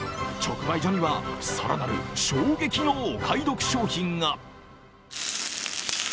直売所には更なる衝撃のお買い得商品が。